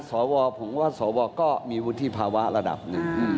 สวผมว่าสวก็มีวุฒิภาวะระดับหนึ่ง